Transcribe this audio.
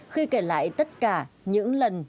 khi kể lại tất cả những lần